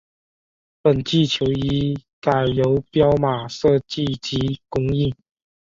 本季球衣改由彪马设计及供应。